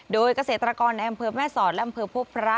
โดยเกษตรกรในอำเภอแม่สอดและอำเภอพบพระ